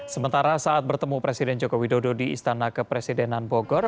sementara saat bertemu presiden joko widodo di istana kepresidenan bogor